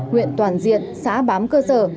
nguyện toàn diện xã bám cơ sở